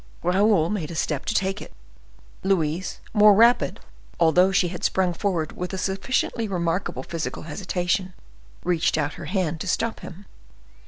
Raoul made a step to take it; Louise, more rapid, although she had sprung forward with a sufficiently remarkable physical hesitation, reached out her hand to stop him.